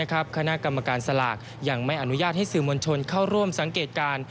คณะกรรมการสลากยังไม่อนุญาตให้สื่อมวลชนเข้าร่วมสังเกตการณ์